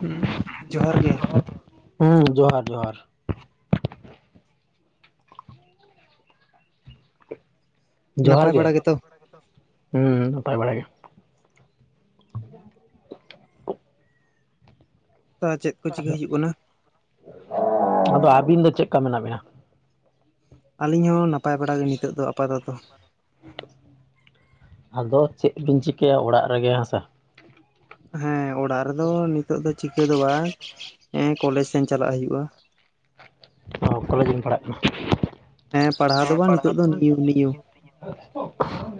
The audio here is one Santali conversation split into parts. ᱦᱩᱸ ᱡᱚᱦᱟᱨ ᱜᱮ᱾ ᱦᱩᱸ ᱡᱚᱦᱟᱨ ᱡᱚᱦᱟᱨ᱾ ᱡᱚᱦᱟᱨ ᱱᱟᱯᱟᱭ ᱜᱮ, ᱵᱟᱲᱟ ᱜᱮᱛᱚ ᱦᱩᱸ ᱱᱟᱯᱟᱭ ᱵᱟᱲᱟ ᱜᱮ᱾ ᱪᱮᱫ ᱠᱚ ᱪᱤᱠᱟᱹ ᱟᱫᱚ ᱦᱩᱭᱩᱜ ᱠᱟᱱᱟ? ᱟᱫᱚ ᱟᱹᱵᱤᱱ ᱫᱚ ᱪᱮᱫᱠᱟ ᱢᱮᱱᱟᱜ ᱵᱤᱱᱟ? ᱟᱹᱞᱤᱧ ᱦᱚᱸ ᱱᱟᱯᱟᱭ ᱵᱟᱲᱟ ᱜᱮ ᱱᱤᱛᱚᱜ ᱫᱚ ᱟᱯᱟᱛᱚᱛᱚ᱾ ᱟᱫᱚ ᱪᱮᱫ ᱵᱤᱱ ᱪᱤᱠᱟᱹᱭᱟ ᱚᱲᱟᱜ ᱨᱮᱜᱮ ᱦᱟᱥᱟ᱾ ᱦᱮᱸ ᱚᱲᱟᱜ ᱨᱮᱫᱚ ᱱᱤᱛᱚᱜ ᱫᱚ ᱪᱤᱠᱟᱹ ᱫᱚ ᱵᱟᱝ ᱠᱚᱞᱮᱡᱽ ᱥᱮᱱ ᱪᱟᱞᱟᱜ ᱦᱩᱭᱩᱜ-ᱟ᱾ ᱚ ᱠᱚᱞᱮᱡᱽ ᱮᱢ ᱯᱟᱲᱦᱟᱜ ᱠᱟᱱᱟ? ᱦᱮᱸ ᱯᱟᱲᱦᱟᱣ ᱫᱚ ᱵᱟᱝ ᱱᱤᱛᱚᱜ ᱫᱚ᱾ [inaudible] [unintelligible] ᱚᱻ ᱴᱷᱤᱠ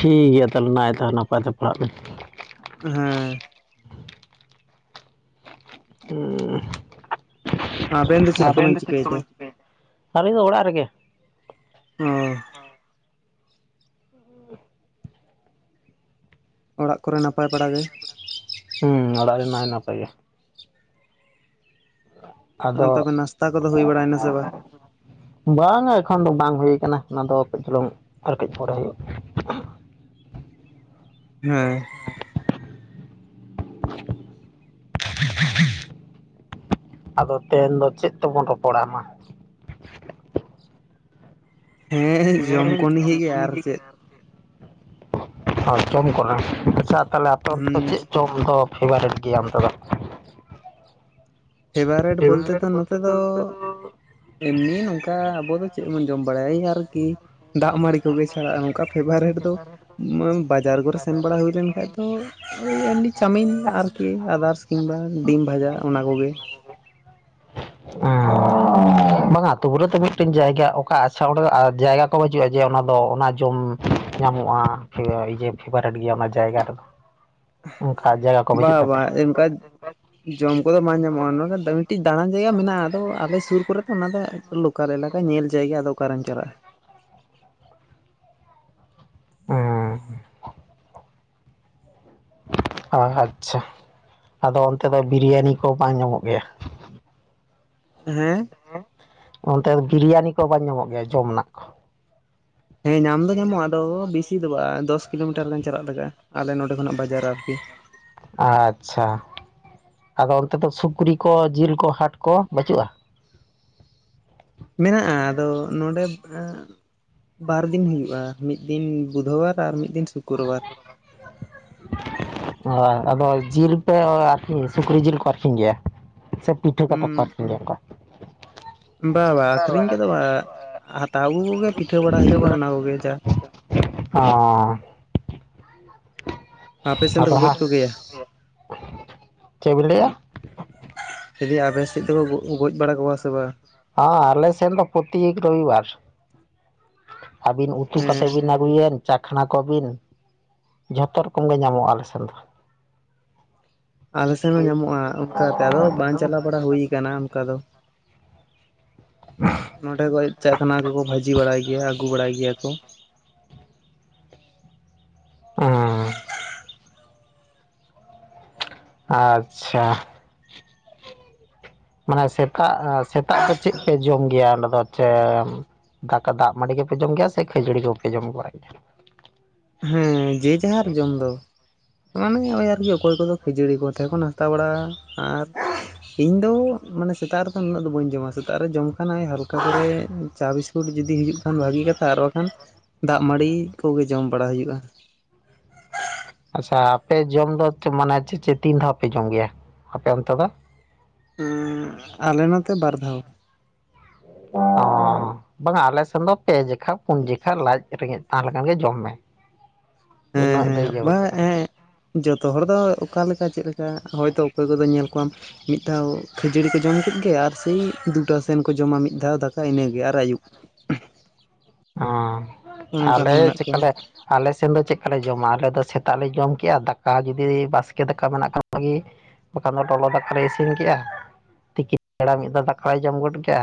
ᱜᱮᱭᱟ ᱛᱟᱦᱚᱞᱮ, ᱱᱟᱭ ᱛᱟᱦᱚᱞᱮ ᱱᱟᱯᱟᱭ ᱛᱮ ᱯᱟᱲᱦᱟᱜ ᱵᱤᱱ᱾ ᱦᱮᱸ ᱦᱩᱸ ᱟᱵᱮᱱ ᱫᱚ ᱪᱮᱫ ᱠᱚᱵᱮᱱ ᱪᱤᱠᱟᱹᱭᱟ? ᱟᱹᱞᱤᱧ ᱫᱚ ᱚᱲᱟᱜ ᱨᱮᱜᱮ᱾ ᱳ [unintelligible] ᱚᱲᱟᱜ ᱠᱚᱨᱮ ᱱᱟᱯᱟᱭ ᱵᱟᱲᱟ ᱜᱮ? ᱦᱩᱸ ᱚᱲᱟᱜ ᱨᱮ ᱱᱟᱭ ᱱᱟᱯᱟᱭ ᱜᱮ᱾ ᱟᱫᱚ [inaudible] ᱛᱚᱵᱮ ᱱᱟᱥᱛᱟ ᱠᱚᱫᱚ ᱦᱩᱭ ᱵᱟᱲᱟᱭᱮᱱᱟ ᱥᱮ ᱵᱟᱝ ᱵᱟᱝᱟ ᱮᱠᱷᱚᱱ ᱫᱚ ᱵᱟᱝ ᱦᱩᱭ ᱠᱟᱱᱟ ᱚᱱᱟ ᱫᱚ ᱠᱟᱹᱡ ᱪᱩᱞᱩᱝ ᱟᱨ ᱠᱟᱹᱡ ᱯᱚᱨᱮ ᱦᱩᱭᱩᱜ-ᱟ᱾ ᱦᱮᱸ ᱟᱫᱚ ᱛᱮᱦᱮᱱ ᱫᱚ ᱪᱮᱫ ᱛᱮᱵᱚᱱ ᱨᱚᱯᱚᱲᱟ ᱢᱟ᱾ ᱦᱮᱸᱻ ᱡᱚᱢ ᱠᱚ ᱱᱤᱭᱮ ᱜᱮ ᱟᱨ ᱪᱮᱫ? ᱦᱚᱭ ᱡᱚᱢ ᱠᱚ ᱨᱮᱱᱟᱜ, ᱟᱪᱪᱷᱟ ᱛᱟᱦᱚᱞᱮ ᱟᱞᱮ ᱚᱱᱛᱮ ᱦᱩᱸ ᱫᱚ ᱪᱮᱫ ᱪᱚᱢ [inaudible] ᱫᱚ ᱯᱷᱮᱵᱟᱨᱮᱴ ᱜᱮᱭᱟ ᱚᱱᱛᱮ ᱫᱚ? ᱯᱷᱮᱵᱟᱨᱮᱴ ᱵᱚᱞᱛᱮ ᱫᱚ ᱱᱚᱛᱮ ᱫᱚ, ᱮᱢᱱᱤ ᱱᱚᱝᱠᱟ ᱟᱵᱚ ᱫᱚ ᱪᱮᱫ ᱵᱚᱱ ᱡᱚᱢ ᱵᱟᱲᱟᱭ, ᱮᱭ ᱟᱨᱠᱤ ᱫᱟᱜ ᱢᱟᱹᱲᱤ ᱠᱚᱜᱮ ᱪᱷᱟᱲᱟᱜ-ᱟ, ᱱᱚᱝᱠᱟ ᱯᱷᱮᱵᱟᱨᱮᱴ ᱫᱚ ᱵᱟᱡᱟᱨ ᱠᱚᱨᱮ ᱥᱮᱱ ᱵᱟᱲᱟ ᱦᱩᱭ ᱞᱮᱱᱠᱷᱟᱡ᱾ ᱛᱚ ᱮᱢᱱᱤ ᱪᱟᱣᱢᱤᱱ ᱟᱨᱠᱤ ᱟᱫᱟᱨᱥ ᱠᱤᱢᱵᱟ ᱰᱤᱢ ᱵᱷᱟᱡᱟ ᱚᱱᱟ ᱠᱚᱜᱮ᱾ [unintelligible] [unintelligible] ᱵᱟᱝᱟ ᱟᱛᱳ ᱠᱚᱨᱮ ᱛᱚ ᱢᱤᱫᱴᱮᱱ ᱡᱟᱭᱜᱟ ᱚᱠᱟ ᱟᱪᱪᱷᱟ ᱚᱸᱰᱮ ᱫᱚ ᱡᱟᱭᱜᱟ ᱠᱚ ᱵᱟᱹᱪᱩᱜ-ᱟ ᱡᱮ ᱚᱱᱟ ᱫᱚ ᱚᱱᱟ ᱡᱚᱢ ᱧᱟᱢᱚᱜ-ᱟ᱾ ᱯᱷᱮᱵᱟᱨ ᱤᱭᱟ. ᱯᱷᱮᱵᱟᱨᱮᱴ ᱜᱮᱭᱟ ᱚᱱᱟ ᱡᱟᱭᱜᱟ ᱴᱩᱠᱩ᱾ [unintelligible] ᱵᱟ ᱵᱟ ᱛᱟᱯᱮᱭᱟ? ᱤᱱᱠᱟ ᱡᱚᱢ ᱠᱚᱫᱚ ᱵᱟᱝ ᱧᱟᱢᱚᱜ-ᱟ᱾ ᱱᱚᱰᱮ ᱫᱟ. ᱢᱤ ᱢᱤᱫᱴᱤᱡ ᱫᱟᱲᱟᱱ ᱡᱟᱭᱜᱟ ᱢᱮᱱᱟᱜ-ᱟ, ᱟᱫᱚ ᱟᱞᱮ ᱥᱩᱨ ᱠᱚᱨᱮ ᱛᱚ ᱚᱱᱟ ᱫᱚ ᱞᱳᱠᱟᱞ ᱮᱞᱟᱠᱟ ᱧᱮᱞ ᱡᱟᱭᱜᱟ ᱟᱫᱚ ᱚᱠᱟᱨᱮᱢ ᱪᱟᱞᱟᱜ-ᱟ᱾ ᱚ ᱚ ᱟᱪᱪᱷᱟ, ᱟᱫᱚ ᱚᱱᱛᱮ ᱫᱚ ᱵᱤᱨᱭᱟᱱᱤ ᱠᱚ ᱵᱟᱝ ᱧᱟᱢᱚᱜ ᱜᱮᱭᱟ ᱾ ᱦᱮᱸ ᱦᱮᱸ ᱚᱱᱛᱮ ᱫᱚ ᱵᱤᱨᱭᱟᱱᱤ ᱠᱚ ᱵᱟᱝ ᱧᱟᱢᱚᱜ ᱜᱮᱭᱟ ᱡᱚᱢ ᱟᱱᱟᱜ ᱠᱚ? ᱦᱮᱸ ᱧᱟᱢ ᱫᱚ ᱧᱟᱢᱚᱜᱼᱟ ᱟᱫᱚ ᱵᱮᱥᱤ ᱫᱚ ᱵᱟᱝ ᱫᱚᱥ ᱠᱤᱞᱳᱢᱤᱴᱟᱨ ᱜᱟᱱ ᱪᱟᱞᱟᱜ ᱞᱟᱜᱟᱜᱼᱟ ᱟᱞᱮ ᱱᱚᱸᱰᱮ ᱠᱷᱚᱱᱟᱜ ᱵᱟᱡᱟᱨᱟ ᱟᱨᱠᱤ ᱾ ᱟᱪᱪᱷᱟ ᱟᱫᱚ ᱚᱱᱛᱮ ᱫᱚ ᱥᱩᱠᱨᱤ ᱠᱚ ᱡᱤᱞ ᱠᱚ ᱦᱟᱴ ᱠᱚ ᱵᱟᱹᱪᱩᱜᱼᱟ? ᱢᱮᱱᱟᱜᱼᱟ ᱟᱫᱚ ᱱᱚᱰᱮ ᱮᱸ ᱵᱟᱨ ᱫᱤᱱ ᱦᱩᱭᱩᱜᱼᱟ, ᱢᱤᱫ ᱫᱤᱱ ᱵᱩᱫᱷᱚᱵᱟᱨ ᱟᱨ ᱢᱤᱫ ᱫᱤᱱ ᱥᱩᱠᱨᱚᱵᱟᱨ ᱾ ᱦᱚᱸ ᱟᱫᱚ ᱡᱤᱞ ᱯᱮ ᱟᱨᱠᱤ ᱥᱩᱠᱨᱤ ᱡᱤᱞ ᱠᱚ ᱟᱹᱠᱷᱨᱤᱧ ᱜᱮᱭᱟ ᱥᱮ ᱯᱤᱴᱷᱟᱹ ᱠᱟᱛᱮ ᱩᱸ [unintelligible] ᱵᱟ ᱵᱟ ᱟᱹᱠᱷᱨᱤᱧ ᱠᱮᱫᱚ ᱵᱟ ᱾ ᱦᱟᱛᱟᱣ ᱟᱹᱜᱩ ᱠᱚᱜᱮ ᱯᱤᱴᱷᱟᱹ ᱵᱟᱲᱟ ᱦᱩᱭᱩᱜᱼᱟ ᱚᱱᱟ ᱠᱚᱜᱮ ᱡᱟ ᱚᱸᱻ ᱟᱯᱮ ᱥᱮᱱ ᱟᱫᱚ ᱫᱚᱠᱚ ᱜᱚᱡ ᱦᱟᱸᱜ ᱠᱚᱜᱮᱭᱟ? ᱪᱮᱫ ᱵᱤᱱ ᱞᱟᱹᱭ ᱮᱫᱼᱟ? [unintelligible] ᱟᱵᱮᱱ ᱥᱮᱫ ᱫᱚ ᱠᱚ ᱜᱚᱡ ᱵᱟᱲᱟ ᱠᱚᱣᱟ ᱥᱮ ᱵᱟᱝ? ᱦᱟ ᱟᱞᱮ ᱥᱮᱱ ᱫᱚ ᱯᱨᱚᱛᱤᱠ ᱨᱚᱵᱤᱵᱟᱨ ᱾ [inaudible] ᱟᱹᱵᱤᱱ ᱩᱛᱩ ᱦᱮᱸ ᱠᱟᱛᱮ ᱵᱤᱱ ᱟᱜᱩ ᱟᱹᱩᱭᱮᱱ ᱪᱟᱠᱷᱱᱟ ᱠᱚᱵᱤᱱ ᱡᱷᱚᱛᱚ ᱨᱚᱠᱚᱢ ᱜᱮ ᱧᱟᱢᱚᱜᱼᱟ ᱟᱞᱮ ᱥᱮᱱ ᱫᱚ ᱾ [inaudible] ᱟᱞᱮ ᱥᱮᱱ ᱦᱚᱸ ᱧᱟᱢᱚᱜᱼᱟ ᱚᱱᱠᱟ ᱛᱟ ᱨᱮᱦᱚᱸ ᱵᱟᱝ ᱪᱟᱞᱟᱣ ᱵᱟᱲᱟ ᱦᱩᱭ ᱟᱠᱟᱱᱟ ᱚᱱᱠᱟ ᱫᱚ ᱾ [inaudible] ᱱᱚᱸᱰᱮ ᱠᱷᱚᱡ ᱪᱟᱠᱷᱱᱟ ᱠᱚᱠᱚ ᱵᱷᱟᱹᱡᱤ ᱵᱟᱲᱟᱭ ᱜᱮᱭᱟ ᱟᱹᱜᱩ ᱵᱟᱲᱟᱭ ᱜᱮᱭᱟ ᱠᱚ ᱾ ᱦᱩᱸ [inaudible] ᱟᱪᱪᱷᱟᱻ ᱢᱟᱱᱮ ᱥᱮᱛᱟᱜ ᱟ ᱥᱮᱛᱟᱜ ᱫᱚ ᱪᱮᱫ ᱯᱮ ᱡᱚᱢ ᱜᱮᱭᱟ ᱚᱸᱰᱮ ᱫᱚ? ᱪᱮᱢ ᱫᱟᱠᱟ ᱫᱟᱜ ᱢᱟᱹᱰᱤ ᱜᱮᱯᱮ ᱡᱚᱢ ᱜᱮᱭᱟ ᱥᱮ ᱠᱷᱟᱹᱡᱟᱹᱲᱤ ᱡᱚᱢ ᱯᱮ ᱡᱚᱢ ᱵᱟᱲᱟᱭ ᱜᱮᱭᱟ? ᱦᱮᱸ ᱡᱮ ᱡᱟᱦᱟᱨ ᱡᱚᱢ ᱫᱚ ᱾ [inaudible] ᱢᱟᱱᱮ ᱳᱭ ᱟᱨᱠᱤ ᱚᱠᱚᱭ ᱠᱚᱫᱚ ᱠᱷᱟᱹᱡᱟᱹᱲᱤ ᱠᱚᱛᱮ ᱠᱚ ᱱᱟᱥᱛᱟ ᱵᱟᱲᱟᱜᱼᱟ ᱟᱨ ᱤᱧᱫᱚ ᱢᱟᱱᱮ ᱥᱮᱛᱟᱜ ᱨᱮ ᱩᱱᱟᱹᱜ ᱫᱚ ᱵᱟᱹᱧ ᱡᱚᱢᱟ ᱾ ᱥᱮᱛᱟᱜ ᱨᱮ ᱡᱚᱢ ᱠᱷᱟᱱ ᱳᱭ ᱦᱟᱞᱠᱟ ᱠᱚᱨᱮ ᱪᱟ ᱵᱤᱥᱠᱩᱴ ᱡᱩᱫᱤ ᱦᱤᱡᱩᱜ ᱠᱷᱟᱱ ᱵᱷᱟᱜᱤ ᱠᱟᱛᱷᱟ ᱟᱨ ᱵᱟᱠᱷᱟᱱ ᱫᱟᱜ ᱢᱟᱹᱰᱤ ᱠᱚᱜᱮ ᱡᱚᱢ ᱵᱟᱲᱟ ᱦᱩᱭᱩᱜᱼᱟ ᱾ ᱟᱪᱪᱷᱟ ᱟᱯᱮ ᱡᱚᱢ ᱫᱚ ᱢᱟᱱᱮ ᱪᱮᱫ ᱪᱮᱫ ᱛᱤᱱ ᱫᱷᱟᱣ ᱯᱮ ᱡᱚᱢ ᱜᱮᱭᱟ ᱟᱯᱮ ᱚᱱᱛᱮ ᱫᱚ? ᱩᱸᱻ ᱟᱞᱮ ᱱᱚᱛᱮ ᱵᱟᱨ ᱫᱷᱟᱣ ᱾ ᱚᱸᱻ ᱵᱟᱝᱟ ᱟᱞᱮ ᱥᱮᱱ ᱫᱚ ᱯᱮ ᱡᱮᱠᱷᱟ ᱯᱩᱱ ᱡᱮᱠᱷᱟ ᱞᱟᱡ ᱨᱮᱸᱜᱮᱡ ᱛᱟᱦᱮᱸ ᱞᱮᱠᱷᱟᱱ ᱜᱮ ᱡᱚᱢ ᱢᱮ ᱾ ᱦᱮᱸ ᱦᱮᱸ ᱵᱟ ᱮᱸ ᱡᱚᱛᱚ ᱦᱚᱲ ᱫᱚ ᱚᱠᱟ ᱞᱮᱠᱟ ᱪᱮᱫ ᱞᱮᱠᱟ ᱦᱚᱭᱛᱚ ᱚᱠᱚᱭ ᱠᱚᱫᱚ ᱧᱮᱞ ᱠᱚᱣᱟᱢ ᱢᱤᱫ ᱫᱷᱟᱣ ᱠᱷᱟᱹᱡᱟᱹᱲᱤ ᱠᱚ ᱡᱚᱢ ᱠᱮᱫ ᱜᱮ ᱟᱨ ᱥᱮᱭ ᱫᱩᱴᱟ ᱥᱮᱱ ᱠᱚ ᱡᱚᱢᱟ ᱢᱤᱫ ᱫᱷᱟᱣ ᱫᱟᱠᱟ ᱤᱱᱟᱹᱜᱮ ᱟᱨ ᱟᱹᱭᱩᱵ ᱾ ᱚᱸᱻ ᱱᱚᱝᱠᱟᱱ ᱟᱞᱮ ᱦᱚᱸ ᱢᱮᱱᱟᱜ ᱠᱚᱣᱟ ᱪᱮᱫᱠᱟᱞᱮ ᱟᱞᱮ ᱥᱮᱱ ᱫᱚ ᱪᱮᱫᱠᱟᱞᱮ ᱡᱚᱢᱟ ᱟᱞᱮ ᱫᱚ ᱥᱮᱛᱟᱜ ᱞᱮ ᱡᱚᱢ ᱠᱮᱫᱼᱟ ᱫᱟᱠᱟ ᱡᱩᱫᱤ ᱵᱟᱥᱠᱮ ᱫᱟᱠᱟ ᱢᱮᱱᱟᱜ ᱠᱷᱟᱱ ᱵᱷᱟᱹᱜᱤ ᱵᱟᱠᱷᱟᱱ ᱫᱚ ᱞᱚᱞᱚ ᱫᱟᱠᱟ ᱞᱮ ᱤᱥᱤᱱ ᱠᱮᱜᱼᱟ ᱛᱤᱠᱤᱱ ᱵᱮᱲᱟ ᱢᱤᱫ ᱫᱷᱟᱣ ᱫᱟᱠᱟ ᱡᱚᱢ ᱜᱚᱫ ᱠᱮᱜᱼᱟ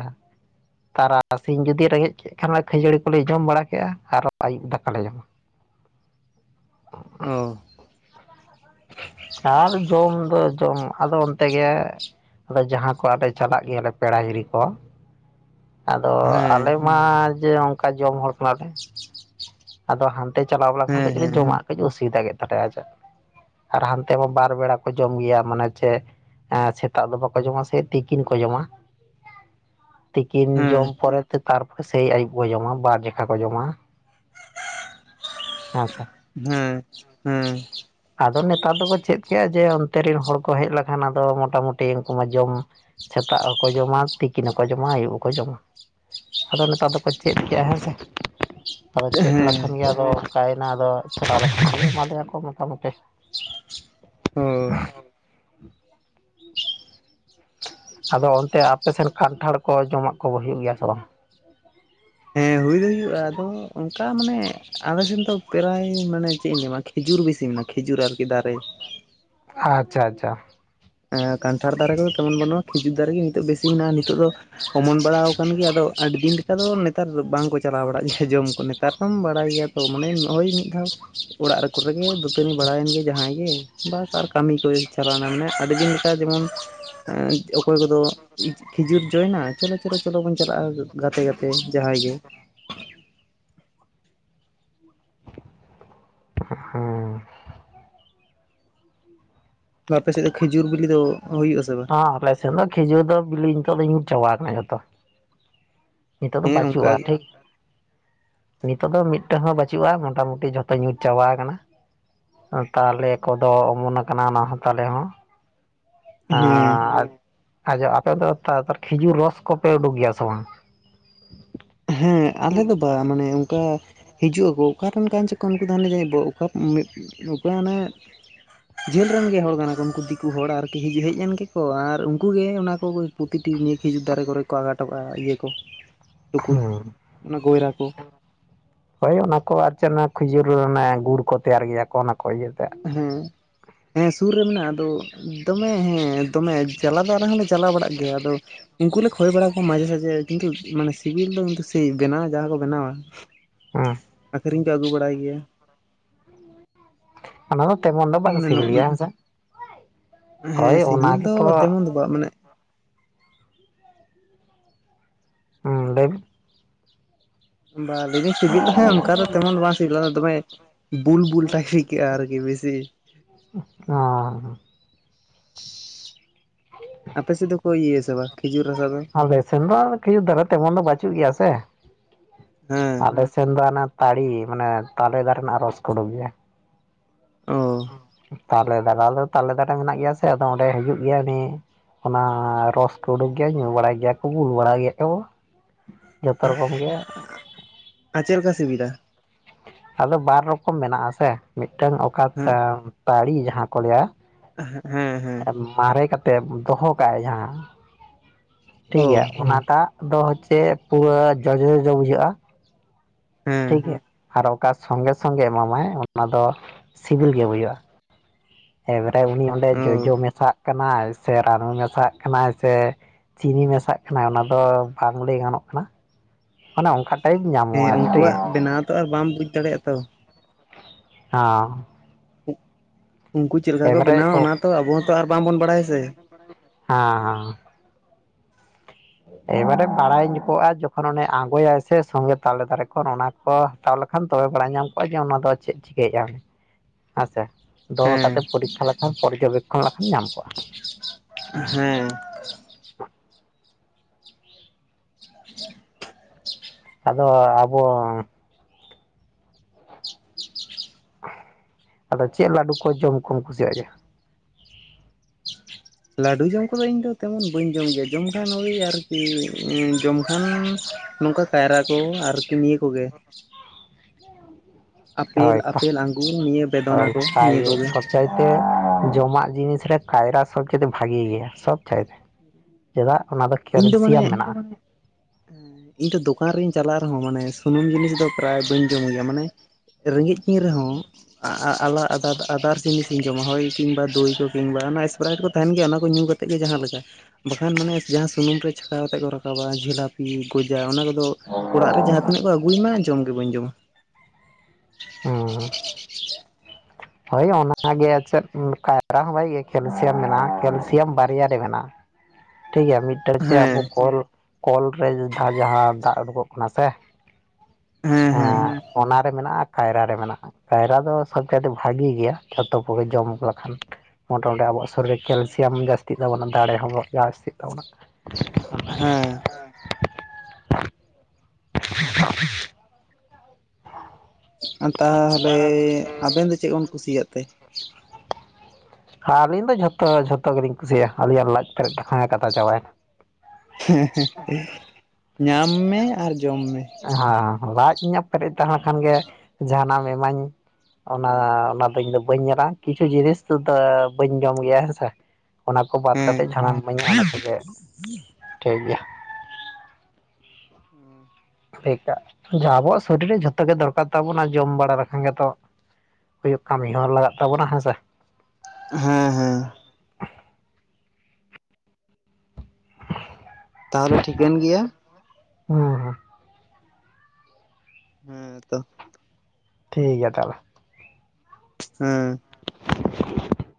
ᱛᱟᱨᱟᱥᱤᱧ ᱡᱩᱫᱤ ᱨᱮᱸᱜᱮᱡ ᱠᱮᱫ ᱠᱷᱟᱱ ᱚᱱᱟ ᱠᱷᱟᱹᱡᱟᱹᱲᱤ ᱠᱚᱞᱮ ᱡᱚᱢ ᱵᱟᱲᱟ ᱠᱮᱜᱼᱟ ᱟᱨᱦᱚ ᱟᱹᱭᱩᱵ ᱫᱟᱠᱟ ᱞᱮ ᱡᱚᱢᱟ ᱾ ᱚ ᱾ [inaudible] ᱟᱨ ᱡᱳᱢ ᱫᱚ ᱡᱚᱢ ᱟᱫᱚ ᱛᱮᱜᱮ ᱟᱫᱚ ᱡᱟᱦᱟᱸ ᱠᱚ ᱟᱞᱮ ᱪᱟᱞᱟᱜ ᱜᱮᱭᱟᱞᱮ ᱯᱮᱲᱟ ᱦᱤᱨᱤ ᱠᱚ ᱟᱫᱚ ᱦᱮᱸ ᱟᱞᱮ ᱢᱟ ᱡᱮ ᱚᱱᱠᱟ ᱡᱚᱢ ᱦᱚᱲ ᱠᱟᱱᱟ ᱞᱮ [inaudible] ᱟᱫᱚ ᱦᱟᱱᱛᱮ ᱪᱟᱞᱟᱣ ᱵᱟᱞᱟ ᱞᱮᱠᱷᱟᱱ ᱠᱟᱹᱡ ᱦᱮᱸ ᱦᱮᱸ ᱡᱚᱢᱟᱜ ᱠᱟᱹᱡ ᱚᱥᱩᱵᱤᱫᱟ ᱜᱮ ᱛᱟᱞᱮᱭᱟ ᱟᱡᱟᱜ ᱾ ᱟᱨ ᱦᱟᱱᱛᱮ ᱢᱟ ᱵᱟᱨ ᱵᱮᱲᱟ ᱠᱚ ᱡᱚᱢ ᱜᱮᱭᱟ ᱢᱟᱱᱮ ᱪᱮᱫ ᱟ ᱥᱮᱛᱟᱜ ᱫᱚ ᱵᱟᱠᱚ ᱡᱚᱢᱟ ᱥᱮᱭ ᱛᱤᱠᱤᱱ ᱠᱚ ᱡᱚᱢᱟ᱾ ᱛᱤᱠᱤᱱ ᱡᱚᱢ ᱦᱮᱸ ᱯᱚᱨᱮᱛᱮ ᱛᱟᱨᱯᱚᱨᱮ ᱥᱮᱭ ᱟᱭᱭᱩᱵ ᱠᱚ ᱡᱚᱢᱟ ᱵᱟᱨ ᱡᱟᱠᱷᱟ ᱠᱚ ᱡᱚᱢᱟ᱾ ᱦᱮᱸᱥᱮ᱾ ᱦᱮᱸ ᱦᱮᱸ᱾ ᱟᱫᱚ ᱱᱮᱛᱟᱨ ᱫᱚᱠᱚ ᱪᱮᱫ ᱠᱮᱜᱼᱟ ᱡᱮ ᱚᱱᱛᱮ ᱨᱮᱱ ᱦᱚᱲ ᱠᱚ ᱦᱮᱡ ᱞᱮᱠᱷᱟᱱ ᱟᱫᱚ ᱢᱚᱴᱟᱢᱩᱴᱤ ᱩᱱᱠᱩ ᱢᱟ ᱡᱚᱢ ᱥᱮᱛᱟᱜ ᱦᱚᱸᱠᱚ ᱡᱚᱢᱟ ᱛᱤ ᱠᱤᱱ ᱦᱚᱸᱠᱚ ᱡᱚᱢᱟ ᱟᱹᱭᱩᱵ ᱦᱚᱸᱠᱚ ᱡᱚᱢᱟ, ᱟᱫᱚ ᱱᱮᱛᱟᱨ ᱫᱚᱠᱚ ᱪᱮᱫ ᱠᱮᱜᱼᱟ ᱦᱮᱸᱥᱮ᱾ ᱟᱫᱚ ᱪᱮᱫ ᱦᱮᱸ ᱞᱮᱠᱷᱟᱱ ᱜᱮ ᱟᱫᱚ ᱚᱠᱟᱭᱱᱟ ᱟᱫᱚ ᱪᱟᱞᱟᱣ ᱞᱮᱠᱷᱟᱱ ᱜᱮ ᱮᱢᱟ ᱞᱮᱭᱟᱠᱚ ᱢᱚᱴᱟᱢᱩᱴᱤ [inaudible] ᱚ᱾ ᱟᱫᱚ ᱚᱱᱛᱮ ᱟᱯᱮᱥᱱ ᱠᱟᱱᱴᱷᱟᱲ ᱠᱚ ᱡᱚᱢᱟᱜ ᱠᱚ ᱦᱩᱭᱩᱜ ᱜᱮᱭᱟ ᱥᱮ ᱵᱟᱝ? ᱦᱮᱸ ᱦᱩᱭ ᱫᱚ ᱦᱩᱭᱩᱜᱼᱟ ᱟᱫᱚ ᱚᱝᱠᱟ ᱢᱟᱱᱮ ᱟᱞᱮ ᱥᱮᱱ ᱫᱚ ᱯᱮᱨᱟᱭ ᱢᱟᱱᱮ ᱪᱮᱫ ᱤᱧ ᱧᱟᱹᱭᱟᱢᱟ ᱠᱷᱤᱡᱩᱨ ᱵᱮᱥᱤ ᱢᱮᱱᱟᱜᱼᱟ ᱠᱷᱤᱡᱩᱨ ᱟᱨᱠᱤ ᱫᱟᱨᱮ ᱟᱪᱪᱷᱟ ᱪᱷᱟ ᱪᱷᱟ᱾ ᱮᱸ ᱠᱟᱱᱴᱷᱟᱲ ᱫᱟᱨᱮ ᱠᱚ ᱛᱮᱢᱚᱱ ᱵᱟᱹᱱᱩᱜᱼᱟ, ᱠᱷᱤᱡᱩᱨ ᱫᱟᱨᱮ ᱜᱤ ᱱᱤᱛᱚᱜ ᱵᱮᱥᱤ ᱢᱮᱱᱟᱜᱼᱟ, ᱱᱤᱛᱚᱜ ᱫᱚ ᱚᱢᱚᱱ ᱵᱟᱲᱟᱣ ᱠᱟᱱ ᱜᱮᱭᱟ ᱟᱫᱚ ᱟᱹᱰᱤ ᱫᱤᱱ ᱚᱱᱠᱟ ᱫᱚ ᱱᱮᱛᱟᱨ ᱵᱟᱝᱠᱚ ᱪᱟᱞᱟᱣ ᱵᱟᱲᱟᱜ ᱜᱮᱭᱟ ᱡᱚᱢ ᱠᱚ ᱱᱮᱛᱟᱨ ᱫᱚᱢ ᱵᱟᱲᱟᱭ ᱜᱮᱭᱟ ᱛᱚ ᱢᱟᱱᱮ ᱱᱚᱜᱼᱚᱭ ᱢᱤᱫ ᱫᱷᱟᱣ ᱚᱲᱟᱜ ᱨᱮ ᱠᱚᱨᱮᱜᱮ ᱫᱟᱹᱛᱟᱹᱱᱤ ᱵᱟᱲᱟᱭᱮᱱ ᱜᱮ ᱡᱟᱦᱟᱸᱭ ᱜᱮ ᱵᱟᱥ ᱟᱨ ᱠᱟᱹᱢᱤ ᱠᱚᱭ ᱪᱟᱞᱟᱣᱱᱟ ᱢᱟᱱᱮ ᱟᱹᱰᱤᱫᱤᱱ ᱞᱮᱠᱟ ᱡᱮᱢᱚᱱ ᱚᱠᱚᱭ ᱠᱚᱫᱚ ᱠᱷᱤᱡᱩᱨ ᱡᱚᱭᱮᱱᱟ ᱪᱚᱞᱚ ᱪᱚᱞᱚ ᱪᱚᱞᱚ ᱵᱚᱱ ᱪᱟᱞᱟᱜᱼᱟ᱾ ᱜᱟᱛᱮ ᱜᱟᱛᱮ ᱡᱟᱦᱟᱸᱭ ᱜᱮ, ᱚᱸ᱾ ᱟᱯᱮ ᱥᱮᱫ ᱫᱚ ᱠᱷᱟᱹᱡᱩᱨ ᱵᱤᱞᱤ ᱫᱚ ᱦᱩᱭᱩᱜ ᱟᱥᱮ ᱵᱟᱝ? ᱦᱚᱸ ᱟᱞᱮ ᱥᱮᱱ ᱫᱚ ᱠᱷᱤᱡᱩᱨ ᱫᱚ ᱵᱤᱞᱤ ᱱᱤᱛᱚᱜ ᱫᱚ ᱧᱩᱨ ᱪᱟᱵᱟ ᱠᱟᱱᱟ ᱡᱷᱚᱛᱚ᱾ ᱱᱤᱛᱳ ᱫᱚ ᱦᱮᱸ ᱚᱱᱠᱟ ᱵᱟᱹᱪᱩᱜᱼᱟ ᱴᱷᱤᱠ᱾ ᱱᱤᱛᱚᱜ ᱫᱚ ᱢᱤᱫᱴᱮᱱ ᱦᱚᱸ ᱵᱟᱪᱩᱜᱼᱟ ᱢᱚᱴᱟ ᱢᱩᱩᱴᱤ ᱡᱷᱚᱛᱚ ᱧᱩᱨᱛ ᱪᱟᱵᱟ ᱠᱟᱱᱟ᱾ ᱛᱟᱞᱮ ᱠᱚᱫᱚ ᱚᱢᱚᱱ ᱠᱟᱱᱟ ᱚᱱᱟ ᱦᱚᱸ ᱛᱟᱞᱮ ᱦᱚᱸ᱾ ᱟᱻ ᱦᱮᱸ ᱟᱡᱚ ᱟᱯᱮ ᱫᱚ ᱛᱮ ᱫᱚ ᱠᱷᱤᱡᱩᱨ ᱨᱚᱥ ᱠᱚᱯᱮ ᱩᱰᱩᱸᱠ ᱜᱮᱭᱟ ᱥᱮ ᱵᱟᱝ? ᱦᱮᱸ ᱟᱞᱮᱫ ᱫᱚ ᱵᱟ ᱢᱟᱱᱮ ᱚᱝᱠᱟ ᱦᱤᱡᱩᱜ ᱟᱠᱚ ᱚᱠᱟᱨᱮᱱ ᱠᱟᱱ ᱪᱚᱠᱚ ᱩᱱᱠᱩ ᱫᱚ ᱚᱠᱟ ᱡᱮ ᱵᱚ ᱚᱠᱟ ᱦᱟᱸᱱᱮ ᱡᱷᱟᱹᱞ ᱨᱮᱱ ᱜᱮ ᱦᱚᱲ ᱠᱟᱱᱟ ᱠᱚ ᱩᱱᱠᱩ ᱫᱤᱠᱩ ᱦᱚᱲ ᱟᱨ ᱠᱤ ᱦᱮᱡ ᱮᱱ ᱜᱮᱠᱚ ᱟᱨ ᱩᱝᱠᱩ ᱜᱮ ᱚᱱᱟᱠᱚ ᱯᱨᱚᱛᱤᱴᱤ ᱱᱤᱭᱟᱹ ᱠᱷᱤᱡᱩᱨ ᱫᱟᱨᱮ ᱠᱚᱨᱮ ᱠᱚ ᱟᱠᱟ ᱦᱚᱴᱚᱠᱟᱜᱼᱟ ᱤᱭᱟᱹ ᱠᱚ, ᱴᱩᱠᱩᱡ ᱦᱮᱸ ᱚᱱᱟ ᱜᱚᱭᱨᱟ ᱠᱚ᱾ ᱦᱳᱭ ᱚᱱᱟ ᱠᱚ ᱟᱨ ᱪᱮᱫ ᱠᱷᱤᱡᱩᱨ ᱜᱩᱲ ᱠᱚ ᱛᱮᱭᱟᱨ ᱜᱮᱭᱟ ᱠᱚ ᱚᱱᱟ ᱠᱚ ᱤᱭᱟᱹᱛᱮᱜ᱾ ᱦᱮᱸ ᱦᱮᱸ ᱥᱩᱨ ᱨᱮ ᱢᱮᱱᱟᱜᱼᱟ ᱟᱫᱚ ᱫᱚᱢᱮ ᱦᱮᱸ ᱫᱚᱢᱮ ᱡᱟᱞᱟ ᱫᱚ ᱟᱞᱮ ᱦᱚᱸᱞᱮ ᱪᱟᱞᱟᱣ ᱵᱟᱲᱟᱜ ᱜᱮᱭᱟ ᱟᱫᱚ ᱩᱝᱠᱩ ᱞᱮ ᱠᱷᱚᱭ ᱵᱟᱲᱟ ᱠᱚᱣᱟ ᱢᱟᱡᱷᱮ ᱥᱟᱡᱷᱮ ᱠᱤᱱᱛᱩ ᱢᱟᱱᱮ ᱥᱤᱵᱤᱞ ᱫᱚ ᱠᱤᱱᱛᱩ ᱥᱮᱭ ᱵᱮᱱᱟᱣᱟ ᱡᱟᱦᱟᱸ ᱠᱚ ᱵᱮᱱᱟᱣᱟ ᱦᱩᱸ᱾ ᱟᱠᱷᱨᱤᱧ ᱠᱚ ᱟᱹᱜᱩ ᱵᱟᱲᱟᱭ ᱜᱮᱭᱟ᱾ ᱚᱱᱟ ᱫᱚ ᱛᱮᱢᱚᱱ ᱫᱚ ᱵᱟᱝ ᱢᱟᱱᱮ ᱥᱤᱵᱤᱞ ᱱᱚᱜ ᱜᱮᱭᱟ ᱦᱮᱸᱥᱮ ᱮᱜ ᱦᱳᱭ ᱦᱮᱸ ᱥᱤᱵᱤᱞ ᱚᱱᱟ ᱫᱚ ᱜᱮᱛᱚ ᱛᱮᱢᱚᱱ ᱫᱚ ᱵᱟᱝ ᱢᱟᱱᱮ ᱦᱮᱸ ᱞᱟᱹᱭ ᱢᱮ? ᱵᱟᱝ ᱞᱟᱹᱭᱫᱤᱧ ᱥᱤᱵᱤᱞ ᱫᱚ ᱦᱟᱸ ᱚᱝᱠᱟ ᱫᱚ ᱛᱮᱢᱚᱱ ᱵᱟᱝ ᱥᱤᱵᱤᱞᱱᱟ ᱚᱱᱟ ᱫᱚ ᱫᱚᱢᱮ ᱵᱩᱞ ᱵᱩᱞ ᱴᱟᱭᱤᱯ ᱤᱭᱠᱟᱹᱜᱼᱟ ᱟᱨᱠᱤ ᱵᱤᱥᱤ ᱚ᱾ [unintelligible] ᱟᱯᱮ ᱥᱮᱫ ᱫᱚᱠᱚ ᱤᱭᱟᱹᱭᱟ ᱥᱮ ᱵᱟᱝ ᱠᱷᱤᱡᱩᱨ ᱨᱟᱥᱟ ᱫᱚ ᱟᱞᱮ ᱥᱮᱱ ᱫᱚ ᱟᱨ ᱠᱷᱤᱡᱩᱨ ᱫᱟᱨᱮ ᱛᱮᱢᱚᱱ ᱫᱚ ᱵᱟᱹᱪᱩᱜ ᱜᱮᱭᱟ, ᱦᱮᱸ ᱟᱞᱮ ᱥᱮᱱᱫᱚ ᱚᱱᱟ ᱛᱟᱹᱲᱤ ᱢᱟᱱᱮ ᱛᱟᱞᱮ ᱫᱟᱨᱮᱱᱟᱜ ᱨᱚᱥ ᱠᱚ ᱩᱰᱩᱠ ᱜᱮᱭᱟ ᱚ ᱛᱟᱞᱮ [unintelligible] ᱛᱟᱞᱮ ᱫᱟᱨᱮ ᱢᱮᱱᱟᱜ ᱜᱮᱭᱟ ᱥᱮ ᱟᱫᱚ ᱚᱸᱰᱮ ᱦᱤᱡᱩᱜ ᱜᱮᱭᱟ ᱩᱱᱤ ᱚᱱᱟ ᱨᱚᱥ ᱠᱚ ᱩᱰᱩᱠ ᱜᱮᱭᱟ ᱧᱩ ᱵᱟᱲᱟᱭ ᱜᱮᱭᱟ ᱠᱚ ᱵᱩᱞ ᱵᱟᱲᱟᱭ ᱜᱮᱭᱟ ᱠᱚ [inaudible] ᱡᱚᱛᱚ ᱨᱚᱠᱚᱢ ᱜᱮ ᱟᱨ ᱪᱮᱫ ᱞᱮᱠᱟ ᱥᱤᱵᱤᱞᱟ ᱟᱫᱚ ᱵᱟᱨ ᱨᱚᱠᱚᱢ ᱢᱮᱱᱟᱜ ᱥᱮ ᱢᱤᱫᱴᱟᱝ ᱚᱠᱟ ᱦᱮᱸ ᱛᱟᱲᱤ ᱡᱟᱦᱟᱸ ᱠᱚ ᱞᱟᱹᱭᱟ ᱦᱮᱸ ᱦᱮᱸ ᱢᱟᱨᱮ ᱠᱟᱛᱮ ᱫᱚᱦᱚ ᱠᱟᱜᱼᱟᱭ ᱡᱟᱦᱟᱸ ᱴᱷᱤᱠ ᱚ ᱜᱮᱭᱟ ᱚᱱᱟᱴᱟᱜ ᱫᱚ ᱪᱮᱜ ᱯᱩᱨᱟᱹᱡᱚᱡᱚ ᱵᱩᱡᱷᱟᱹᱜᱼᱟ ᱴᱷᱤᱠ ᱦᱮᱸ ᱜᱮᱭᱟ ᱟᱨ ᱚᱠᱟ ᱥᱚᱝᱜᱮ ᱥᱚᱝᱜᱮ ᱮᱢᱟᱢᱟᱭ ᱚᱱᱟ ᱫᱚ ᱥᱤᱵᱤᱞ ᱜᱮ ᱵᱩᱡᱟᱹᱜᱼᱟ ᱮᱵᱟᱨᱮ ᱩᱱᱤ ᱚᱸᱰᱮ ᱚ ᱡᱚᱡᱚ ᱢᱮᱥᱟᱜ ᱠᱟᱱᱟᱭ ᱥᱮ ᱨᱟᱱᱩ ᱢᱮᱥᱟᱜ ᱠᱟᱱᱟᱭ ᱥᱮ ᱪᱤᱱᱤ ᱢᱮᱥᱟᱜ ᱠᱟᱱᱟ ᱚᱱᱟᱫᱚ ᱵᱟᱝ ᱞᱟᱹᱭ ᱜᱟᱱᱚᱜ ᱠᱟᱱᱟ ᱢᱟᱱᱮ ᱚᱝᱠᱟ ᱴᱟᱭᱤᱯ ᱦᱮᱸ ᱧᱟᱢᱚᱜᱼᱟᱨᱴᱤ ᱩᱱᱠᱩᱣᱟᱜ ᱵᱮᱱᱟᱣ ᱛᱚ ᱟᱨ ᱵᱟᱢ ᱵᱩᱡᱽ ᱫᱟᱲᱮᱭᱟᱜᱼᱟ ᱛᱚ ᱦᱟ ᱩᱝᱠᱩ ᱪᱮᱜᱠᱟ ᱠᱚ ᱮᱵᱟᱨᱮ ᱵᱮᱱᱟᱣᱟ ᱚᱱᱟ ᱛᱚ ᱟᱵᱚ ᱦᱚᱸᱛᱚ ᱟᱨ ᱵᱟᱝ ᱵᱚᱱ ᱵᱟᱲᱟᱭᱟ ᱥᱮ ᱦᱟᱸ ᱮᱵᱟᱨᱮ ᱯᱟᱲᱟᱭ ᱧᱚᱯᱚᱜᱼᱟ ᱡᱚᱠᱷᱚᱱ ᱚᱱᱮ ᱟᱸᱜᱟᱭ ᱥᱮ ᱥᱚᱸᱜᱮ ᱛᱟᱞᱮ ᱫᱟᱨᱮ ᱠᱷᱚᱱ ᱚᱱᱟ ᱠᱚ ᱦᱟᱛᱟᱣ ᱞᱮᱠᱷᱟᱱ ᱛᱚᱵᱮ ᱵᱟᱲᱟᱭ ᱧᱟᱢ ᱠᱚᱜᱼᱟ ᱡᱮ ᱚᱱᱟ ᱫᱚ ᱪᱮᱫ ᱪᱤᱠᱟᱹᱭᱮᱜᱼᱟ ᱦᱮᱸᱥᱮ ᱫᱚᱦᱚ ᱦᱮᱸ ᱠᱟᱛᱮ ᱯᱚᱨᱤᱠᱠᱷᱟ ᱞᱮᱠᱷᱟᱱ ᱯᱚᱨᱡᱚᱵᱮᱠᱠᱷᱚᱱ ᱞᱮᱠᱷᱟᱱ ᱧᱟᱢ ᱠᱚᱜᱼᱟ ᱦᱮᱸ [inaudible] ᱟᱫᱚ ᱟᱵᱚ ᱟᱫᱚ ᱪᱮᱫ ᱞᱟᱹᱰᱩ ᱠᱚ ᱡᱚᱢ ᱠᱚᱢ ᱠᱩᱥᱤᱭᱟᱜ ᱜᱮᱭᱟ? ᱞᱟᱹᱰᱩ ᱡᱚᱢ ᱠᱚᱫᱚ ᱤᱧᱫᱚ ᱛᱮᱢᱚᱱ ᱵᱟᱹᱧ ᱡᱚᱢ ᱜᱮᱭᱟ ᱡᱚᱢᱠᱷᱟᱱ ᱳᱭ ᱟᱨᱠᱤ ᱡᱚᱢᱠᱷᱟᱱ ᱱᱚᱝᱠᱟ ᱠᱟᱭᱨᱟ ᱠᱚ ᱟᱨᱠᱤ ᱱᱤᱭᱟᱹ ᱠᱚᱜᱮ ᱟᱯᱮᱞ ᱦᱳᱭ ᱟᱯᱮᱞ ᱟᱜᱩᱨ ᱱᱤᱭᱟᱹ ᱵᱮᱫᱚᱱᱟ ᱦᱳᱭ ᱠᱚ ᱱᱤᱭᱟᱹ ᱠᱟᱭ ᱠᱚᱜᱮ ᱥᱚᱵ ᱪᱟᱭᱛᱮ ᱡᱚᱢᱟᱜ ᱡᱤᱱᱤᱥ ᱨᱮ ᱠᱟᱭᱨᱟ ᱥᱚᱵ ᱪᱟᱭᱛᱮ ᱵᱷᱟᱜᱮ ᱜᱮᱭᱟ ᱥᱚᱵ ᱪᱟᱭᱛᱮ ᱪᱮᱫᱟᱜ ᱚᱱᱟ ᱫᱚ ᱤᱧ ᱫᱚ ᱠᱮᱞᱥᱤᱭᱟᱢ ᱢᱟᱱᱮ ᱢᱮᱱᱟᱜᱼᱟ ᱤᱧ ᱫᱚ ᱫᱚᱠᱟᱱ ᱨᱤᱧ ᱪᱟᱞᱟᱜ ᱨᱮᱦᱚᱸ ᱢᱟᱱᱮ ᱥᱩᱱᱩᱢ ᱡᱤᱱᱤᱥ ᱫᱚ ᱯᱨᱟᱭ ᱵᱟᱹᱧ ᱡᱚᱢ ᱜᱮᱭᱟ ᱢᱟᱱᱮ ᱨᱮᱸᱜᱮᱡ ᱠᱤᱧ ᱨᱮᱦᱚᱸ ᱟᱞᱟ ᱟᱫᱟ ᱟᱫᱟᱨ ᱡᱤᱱᱤᱥᱤᱧ ᱡᱚᱢᱟ ᱦᱳᱭ ᱠᱤᱢᱵᱟ ᱫᱳᱭ ᱠᱚ ᱠᱤᱢᱵᱟ ᱚᱱᱟ ᱮᱥᱯᱨᱟᱭᱤᱴ ᱠᱚ ᱛᱟᱦᱮᱱ ᱜᱮᱭᱟ ᱚᱱᱟ ᱠᱚ ᱧᱩ ᱠᱟᱛᱮᱫ ᱜᱮ ᱡᱟᱦᱟᱸ ᱞᱮᱠᱟ ᱵᱟᱠᱷᱟᱱ ᱢᱟᱱᱮ ᱡᱟᱦᱟᱸ ᱥᱩᱱᱩᱢ ᱨᱮ ᱪᱷᱟᱠᱟᱣ ᱠᱟᱛᱮ ᱠᱚ ᱨᱟᱠᱟᱵᱟ ᱡᱷᱚᱞᱟᱯᱤ ᱜᱚᱡᱟ ᱚᱱᱟ ᱠᱚᱫᱚ ᱟᱫᱚ ᱚᱲᱟᱜ ᱨᱮ ᱡᱟᱦᱟᱸ ᱛᱤᱱᱟᱹᱜ ᱠᱚ ᱟᱹᱜᱩᱭ ᱢᱟ ᱡᱚᱢ ᱜᱤᱵᱟᱹᱧ ᱡᱚᱢᱟ ᱚᱸ [unintelligible] ᱦᱳᱭ ᱚᱱᱟᱜᱮ ᱪᱮᱫ ᱠᱟᱭᱨᱟ ᱦᱚᱸ ᱵᱷᱟᱜᱮ ᱜᱤᱭᱟ ᱠᱮᱞᱥᱤᱭᱟᱢ ᱢᱮᱱᱟᱜᱼᱟ ᱠᱮᱞᱥᱤᱭᱟᱢ ᱵᱟᱨᱭᱟ ᱨᱮ ᱢᱮᱱᱟᱜᱼᱟ ᱴᱷᱤᱠ ᱜᱮᱭᱟ ᱢᱤᱫᱴᱮᱱ ᱪᱮ ᱦᱮᱸ ᱟᱵᱚ ᱠᱚᱞ ᱠᱚᱞ ᱨᱮ ᱡᱟᱦᱟᱸ ᱡᱟᱦᱟᱸ ᱫᱟᱜ ᱩᱰᱩᱠᱚᱜ ᱠᱟᱱᱟ ᱥᱮ ᱦᱮᱸ ᱚᱱᱟᱨᱮ ᱢᱮᱱᱟᱜᱼᱟ ᱠᱟᱭᱨᱟ ᱨᱮ ᱢᱮᱱᱟᱜᱼᱟ ᱠᱟᱭᱨᱟ ᱫᱚ ᱥᱚᱵᱽ ᱪᱟᱭᱛᱮ ᱵᱷᱟᱹᱜᱮ ᱜᱮᱭᱟ ᱡᱷᱚᱛᱚ ᱠᱚᱜᱮ ᱡᱚᱢ ᱫᱚ ᱟᱠᱷᱟᱱ ᱢᱚᱴᱟᱢᱩᱴᱤ ᱟᱵᱚᱣᱟᱜ ᱥᱚᱨᱤᱨ ᱨᱮ ᱠᱮᱞᱥᱤᱭᱟᱢ ᱡᱟᱹᱥᱛᱤᱜ ᱛᱟᱵᱚᱱᱟ᱾ ᱫᱟᱲᱮ ᱦᱚᱸᱵᱚ ᱡᱟᱥᱛᱤᱜ ᱛᱚᱵᱚᱱᱟ᱾ ᱦᱮᱸ [inaudible] ᱛᱟᱦᱚᱞᱮ ᱟᱵᱮᱱ ᱫᱚ ᱪᱮᱫ ᱵᱮᱱ ᱠᱩᱥᱤᱭᱟᱜ ᱛᱮ? ᱟᱹᱞᱤᱧ ᱫᱚ ᱡᱷᱚᱛᱚ ᱡᱷᱚᱛᱚ ᱜᱮᱞᱤᱧ ᱠᱩᱥᱤᱭᱟᱜᱼᱟ᱾ ᱟᱹᱞᱤᱧᱟᱜ ᱞᱟᱡ ᱯᱮᱨᱮᱡ ᱞᱮᱠᱷᱟᱡ ᱠᱟᱛᱷᱟ ᱪᱟᱵᱟᱭᱮᱱᱟ᱾ ᱦᱮᱸ ᱦᱮᱸ ᱧᱟᱢ ᱢᱮ ᱟᱨ ᱡᱚᱢ ᱢᱮ᱾ ᱦᱮᱸ ᱞᱟᱡ ᱤᱧᱟᱜ ᱯᱮᱨᱮᱡ ᱛᱟᱦᱮ ᱞᱮᱱ ᱠᱷᱟᱱ ᱜᱮ ᱡᱟᱦᱟᱱᱟᱜ ᱮᱢ ᱤᱢᱟᱹᱧ, ᱚᱱᱟ ᱚᱱᱟᱫᱚ ᱤᱧ ᱫᱚ ᱵᱟᱹᱧ ᱧᱮᱞᱟ ᱠᱤᱪᱷᱩ ᱡᱤᱱᱤᱥ ᱫᱚ ᱵᱟᱹᱧ ᱡᱚᱢ ᱜᱮᱭᱟ ᱦᱮᱸᱥᱮ᱾ ᱚᱱᱟ ᱠᱚ ᱵᱟᱫ ᱦᱮᱸ ᱠᱟᱛᱮᱫ ᱡᱟᱦᱟᱱᱟᱢ ᱤᱢᱟᱹᱧᱼᱟ ᱚᱱᱟ ᱜᱮ [inaudible] ᱴᱷᱤᱠ ᱜᱮᱭᱟ᱾ ᱦᱩᱸ, ᱴᱷᱳᱠᱟ ᱟᱵᱚᱣᱟᱜ ᱥᱚᱨᱤᱨ ᱨᱮ ᱡᱷᱚᱛᱚ ᱜᱮ ᱫᱚᱨᱠᱟᱨ ᱛᱟᱵᱚᱱᱟ ᱡᱚᱢ ᱵᱟᱲᱟ ᱞᱮᱠᱷᱟᱱ ᱜᱮᱛᱚ᱾ ᱦᱩᱭᱩᱜ ᱠᱟᱹᱢᱤ ᱦᱚᱸ ᱞᱟᱜᱟᱜ ᱛᱟᱵᱚᱱᱟ ᱦᱮᱸ ᱥᱮ᱾ ᱦᱮᱸ ᱦᱮᱸ, ᱛᱟᱦᱚᱞᱮ ᱴᱷᱤᱠᱟᱹᱱ ᱜᱮᱭᱟ᱾ ᱦᱮᱸ ᱦᱮᱸ᱾ ᱦᱮᱸ ᱛᱚ, ᱴᱷᱤᱠ ᱜᱮᱭᱟ ᱛᱟᱦᱚᱞᱮ᱾ ᱦᱮᱸ᱾ [inaudible]